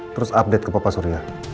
terus update ke bapak surya